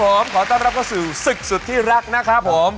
ผมขอต้อนรับเข้าสู่ศึกสุดที่รักนะครับผม